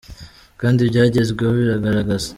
kandi ibyagezweho birigaragaza.